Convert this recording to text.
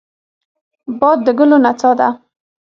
باد د ګلو نڅا ده